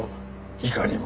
いかにも。